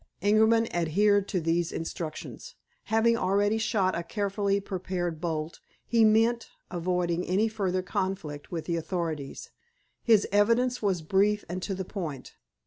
Ingerman adhered to these instructions. Having already shot a carefully prepared bolt, he meant avoiding any further conflict with the authorities. His evidence was brief and to the point.